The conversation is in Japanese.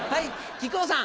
木久扇さん。